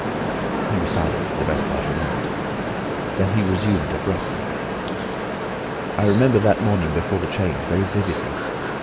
He was silent for the best part of a minute. Then he resumed abruptly: "I remember that morning before the change very vividly.